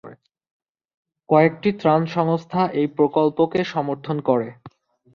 কয়েকটি ত্রাণ সংস্থা এই প্রকল্পকে সমর্থন করে।